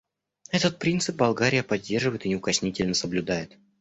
Этот принцип Болгария поддерживает и неукоснительно соблюдает.